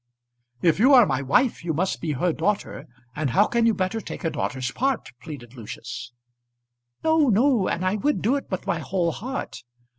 "If you are my wife you must be her daughter; and how can you better take a daughter's part?" pleaded Lucius. "No, no; and I would do it with my whole heart.